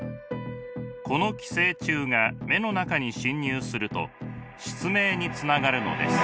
この寄生虫が目の中に侵入すると失明につながるのです。